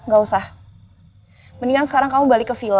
gak usah mendingan sekarang kamu balik ke villa